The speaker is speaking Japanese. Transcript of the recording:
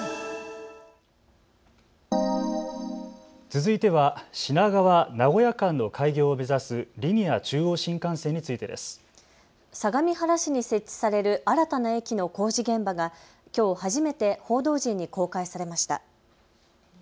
続いては品川・名古屋間の開業を目指すリニア中央新幹線についてです。相模原市に設置される新たな駅の工事現場がきょう初めて報道陣に公開されました。